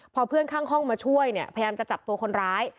พอเพื่อนข้างห้องมาช่วยเนี่ยพยายามจะจับตัวคนร้าย